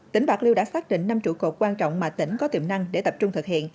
tỉnh bạc liêu đã xác định năm trụ cột quan trọng mà tỉnh có tiềm năng để tập trung thực hiện